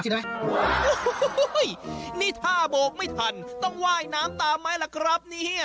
นี่ถ้าโบกไม่ทันต้องวะน้ำตาไมล่ะกราบนี้